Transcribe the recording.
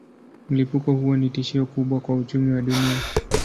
Mlipuko huo ni tishio kubwa kwa uchumi wa dunia.